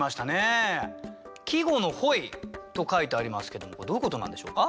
「季語の『本意』」と書いてありますけどもこれどういうことなんでしょうか？